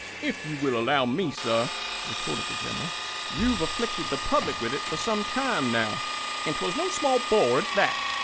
"If you will allow me," retorted the General, "you've afflicted the public with it for some time; and 'twas no small bore, at that."